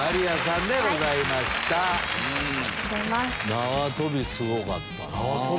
縄跳びすごかったなぁ。